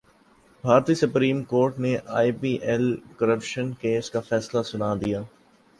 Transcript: بھارتی supreme court نے I P L corruption case کا فیصلہ سنادیا